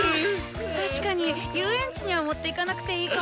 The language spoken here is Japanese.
確かに遊園地には持っていかなくていいかも。